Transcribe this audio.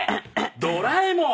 ドラえもん。